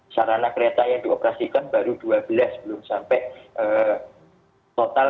sarana kereta yang dioperasikan baru dua belas belum sampai total tiga puluh satu